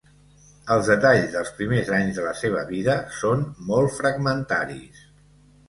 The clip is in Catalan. Els detalls dels primers anys de la seva vida són molt fragmentaris.